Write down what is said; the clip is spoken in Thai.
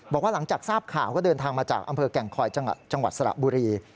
บอกว่าหลังจากทราบข่าวก็เดินทางมาจากอำเภอแก่งคอยจังหวัดสระบุรี